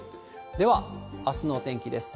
では、あすのお天気です。